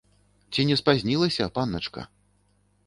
Ці не спазнілася, панначка?